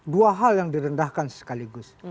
dua hal yang direndahkan sekaligus